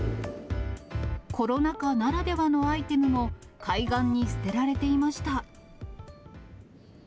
コロナ禍ならではのアイテムも海岸に捨てられていました。